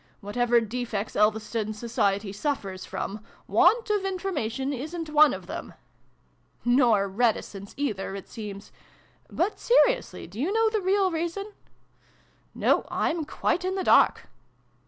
Whatever defects Elves ton society suffers from, want of information isn't one of them !" "Nor reticence, either, it seems. But, se riously, do you know the real reason ?"" No, I'm quite in the dark."